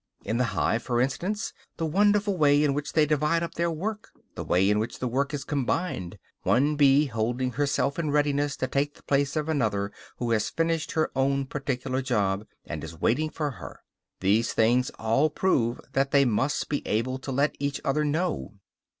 In the hive, for instance, the wonderful way in which they divide up their work, the way in which the work is combined, one bee holding herself in readiness to take the place of another who has finished her own particular job and is waiting for her these things all prove that they must be able to let each other know.